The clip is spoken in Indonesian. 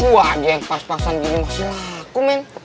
wah dia yang pangsa pangsaan gini masih laku men